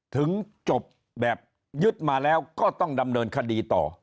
ถึงจบแบบยึดมาแล้วก็ต้องดำเนินคดีต่อ